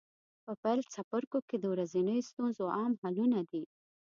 په پیل څپرکو کې د ورځنیو ستونزو عام حلونه دي.